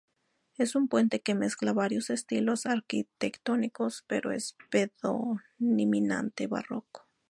Es un puente que mezcla varios estilos arquitectónicos pero es predominante barroco.